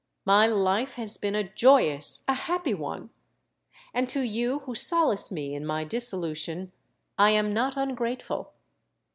My life has been a joyous—a happy one; and to you who solace me in my dissolution, I am not ungrateful.